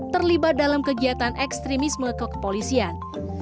terlibat dalam kegiatan ekstremisme kekepolisian